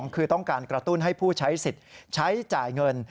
คือต้องการกระตุ้นให้ผู้ใช้สิทธิ์ใช้จ่ายเงิน